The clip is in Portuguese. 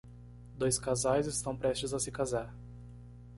Dois casais estão prestes a se casar